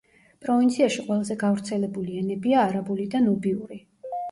პროვინციაში ყველაზე გავრცელებული ენებია არაბული და ნუბიური.